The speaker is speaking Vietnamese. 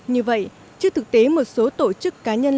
như vậy trước thực tế một số tổ chức cá nhân